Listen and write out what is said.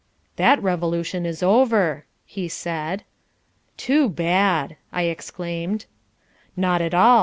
"That Revolution is over," he said. "Too bad!" I exclaimed. "Not at all.